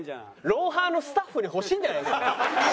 『ロンハー』のスタッフに欲しいんじゃないんですか？